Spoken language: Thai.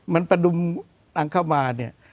มันประดุมอังเข้ามาเนี่ย